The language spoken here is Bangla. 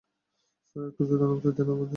স্যার, একটু যদি অনুমতি দেন আমাদের।